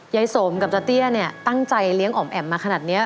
ยายสมกับตาเตี้ยเนี่ยตั้งใจเลี้ยงอ๋อมแอ๋มมาขนาดนี้